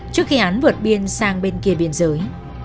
trước khi án vượt biên sang bên kia biên giới